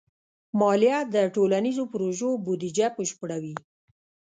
مالیه د ټولنیزو پروژو بودیجه بشپړوي.